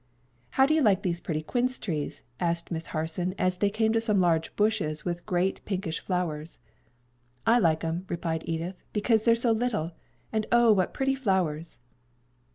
"How do you like these pretty quince trees?" asked Miss Harson as they came to some large bushes with great pinkish flowers. "I like 'em," replied Edith, "because they're so little. And oh what pretty flowers!"